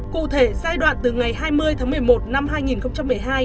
cụ thể giai đoạn từ ngày hai mươi tháng một mươi một năm hai nghìn một mươi hai